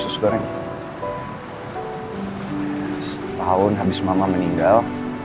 setahun habis mama meninggal